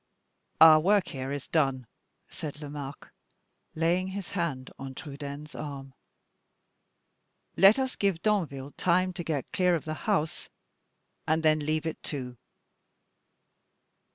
"Our work here is done," said Lomaque, laying his hand on Trudaine's arm. "Let us give Danville time to get clear of the house, and then leave it too."